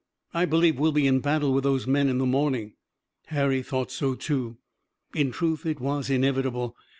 I believe we'll be in battle with those men in the morning." Harry thought so too. In truth, it was inevitable.